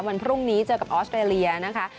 วันพรุ่งนี้เจอกับออสเตรเลียนะคะ